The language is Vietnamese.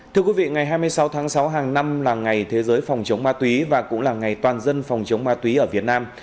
thưa quý vị ngày hai mươi sáu tháng sáu hàng năm là ngày thế giới phòng chống ma túy và cũng là ngày toàn dân phòng chống ma túy ở việt nam